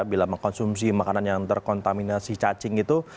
bila mengkonsumsi makanan yang terkontaminasi cacing itu